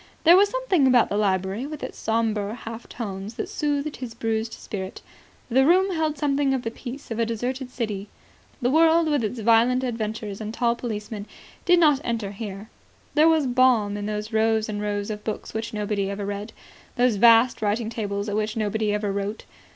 There was something about the library with its sombre half tones that soothed his bruised spirit. The room held something of the peace of a deserted city. The world, with its violent adventures and tall policemen, did not enter here. There was balm in those rows and rows of books which nobody ever read, those vast writing tables at which nobody ever wrote.